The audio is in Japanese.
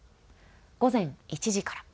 午前１時から。